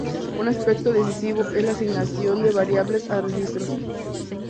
Un aspecto decisivo es la asignación de variables a registros.